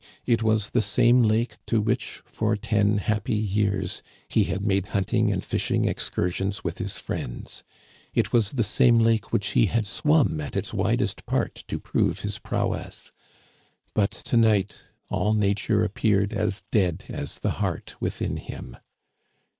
It was the same lake to which, for ten happy years, he had made hunting and fishing excursions with his friends. It was the same lake which he had swum at its widest part to prove his prowess. But to night all Nature appeared as dead as the heart within him.